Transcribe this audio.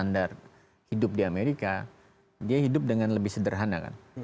itu dibandingkan dengan standar hidup di amerika dia hidup dengan lebih sederhana kan